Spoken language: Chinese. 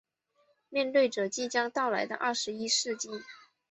面对着即将到来的二十一世纪